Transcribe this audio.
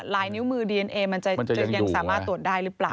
ลายนิ้วมือดีเอนเอมันจะยังสามารถตรวจได้หรือเปล่า